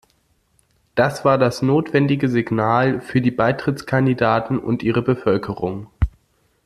Das war das notwendige Signal für die Beitrittskandidaten und ihre Bevölkerung.